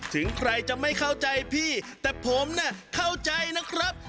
ถึงใครจะไม่เข้าใจพี่แต่ผมเนี่ยเข้าใจนะครับ